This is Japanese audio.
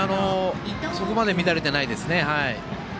そこまで乱れてないですね。